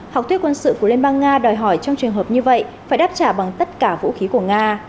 học thuyết quân sự của liên bang nga đòi hỏi trong trường hợp như vậy phải đáp trả bằng tất cả vũ khí của nga